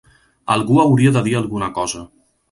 Algú hauria de dir alguna cosa